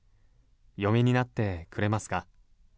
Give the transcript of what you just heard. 嫁になってくれますか？